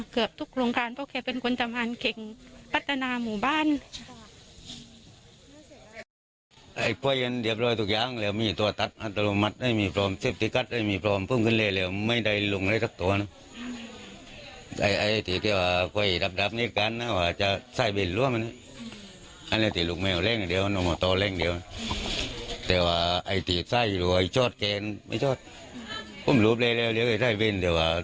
เกือบทุกโครงการเพราะแกเป็นคนทำงานเก่งพัฒนาหมู่บ้าน